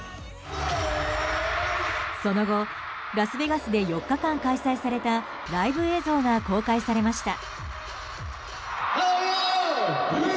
その後、ラスベガスで４日間開催されたライブ映像が公開されました。